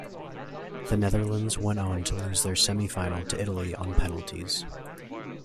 The Netherlands went on to lose their semi-final to Italy on penalties.